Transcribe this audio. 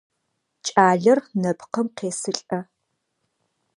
Кӏалэр нэпкъым къесылӏэ.